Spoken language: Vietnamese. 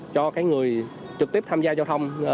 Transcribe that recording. cho cái người trực tiếp tham gia giao thông